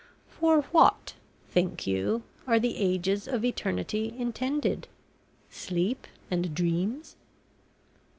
"For what, think you, are the ages of Eternity intended? sleep and dreams?"